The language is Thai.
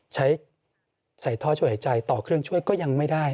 ใช้ใส่ท่อช่วยหายใจต่อเครื่องช่วยก็ยังไม่ได้